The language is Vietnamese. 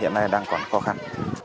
hiện nay đang còn khó khăn